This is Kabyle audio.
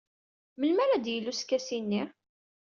Melmi ara d-yili uskasi-nni?